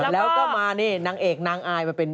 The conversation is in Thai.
แล้วก็มานี่นางเอกนางไอ